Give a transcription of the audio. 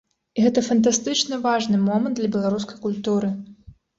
І гэта фантастычна важны момант для беларускай культуры.